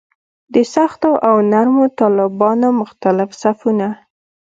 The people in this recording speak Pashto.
د سختو او نرمو طالبانو مختلف صفونه.